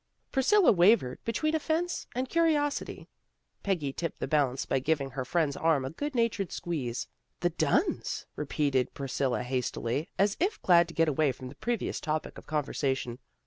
Priscilla wavered between offence and curi osity. Peggy tipped the balance by giving her friend's arm a good natured squeeze. " The Dunns," repeated Priscilla hastily, as if glad to get away from the previous topic of conversation.